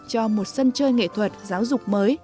cho một sân chơi nghệ thuật giáo dục mới